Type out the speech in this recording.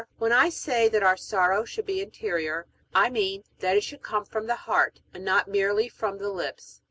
When I say that our sorrow should be interior, I mean that it should come from the heart, and not merely from the lips.